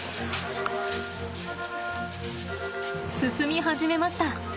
進み始めました。